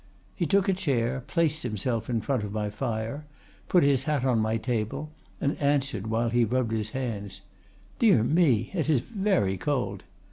'—He took a chair, placed himself in front of my fire, put his hat on my table, and answered while he rubbed his hands: 'Dear me, it is very cold.